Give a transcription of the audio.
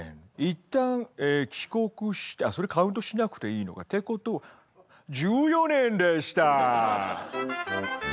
いったん帰国してあっそれカウントしなくていいのか。ってことは１４年でした！